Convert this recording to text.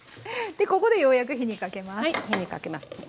でここでようやく火にかけます。